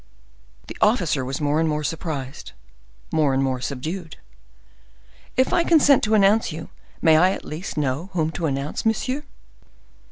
The officer was more and more surprised, more and more subdued. "If I consent to announce you, may I at least know whom to announce, monsieur?"